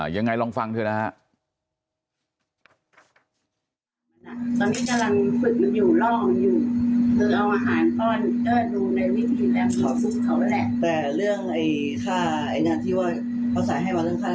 ยังไงลองฟังเธอนะฮะ